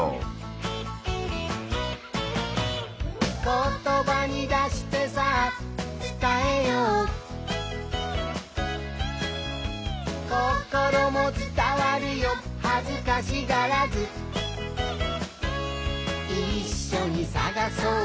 「ことばに出してさあつたえよう」「こころもつたわるよはずかしがらず」「いっしょにさがそう！